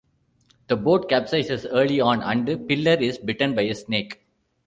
The boat capsizes early on and Pilar is bitten by a snake.